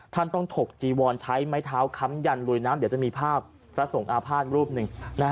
ท่านต้องถกจีวอนใช้ไม้เท้าค้ำยันลุยน้ำเดี๋ยวจะมีภาพพระสงฆ์อาภาษณ์รูปหนึ่ง